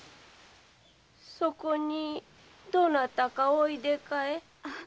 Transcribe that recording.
そこにどなたかおいでかえ？